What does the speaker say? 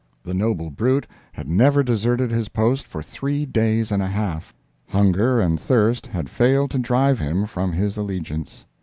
The noble brute had never deserted his post for three days and a half—hunger and thirst had failed to drive him from his allegiance.